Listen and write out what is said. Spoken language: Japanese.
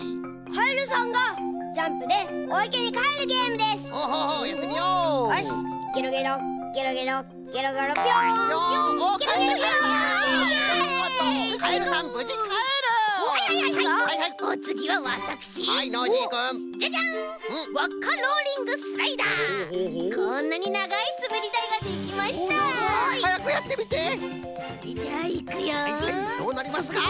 はいはいどうなりますか？